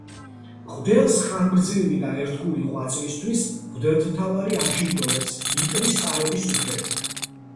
მღვდელს ხანგრძლივი და ერთგული ღვაწლისთვის, მღვდელმთავარი აჯილდოვებს მიტრის ტარების უფლებით.